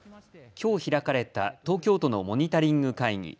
きょう開かれた東京都のモニタリング会議。